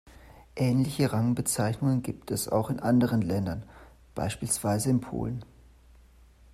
Ähnliche Rangbezeichnungen gibt es auch in anderen Ländern, beispielsweise in Polen.